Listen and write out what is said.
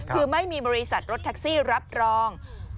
คือไม่มีบริษัทรถแท็กซี่รับรอง